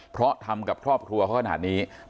เพราะทำกับครอบครัวเขาขนาดนี้